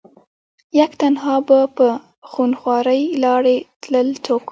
يک تنها به په خونخوارې لارې تلل څوک